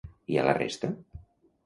I a la resta?